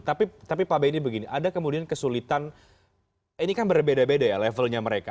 tapi pak benny begini ada kemudian kesulitan ini kan berbeda beda ya levelnya mereka